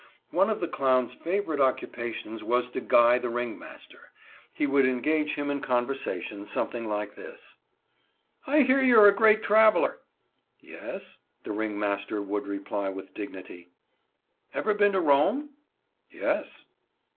One of the clowns' favorite occupations was to guy the ringmaster. He would engage him in conversation something like this: "I hear you are a great traveler." "Yes," the ringmaster would reply with great dignity. "Ever been to Rome?" "Yes."